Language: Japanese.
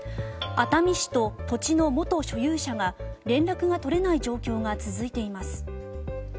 熱海市と土地の元所有者が連絡が取れない状況が続いています。